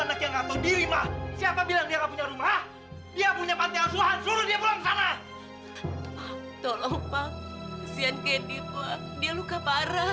apa dia lembut dan pendiam